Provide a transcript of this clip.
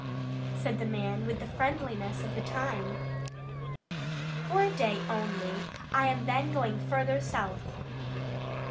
said the man with the friendliness of the time. "For a day only. I am then going further south."